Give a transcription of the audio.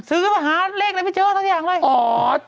ซื้อแล้วหาเลขนั้นไม่เจอทั้งอย่างเลย